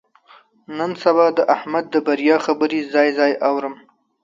نن سبا د احمد د بریا خبرې ځای ځای اورم.